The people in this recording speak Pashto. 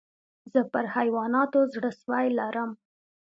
زه پر حیواناتو زړه سوى لرم.